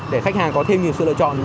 để khách hàng có thêm nhiều sự lựa chọn